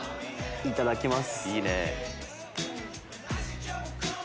いただきます。